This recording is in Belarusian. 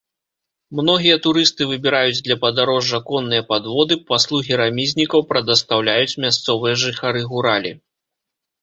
Многія турысты выбіраюць для падарожжа конныя падводы, паслугі рамізнікаў прадастаўляюць мясцовыя жыхары гуралі.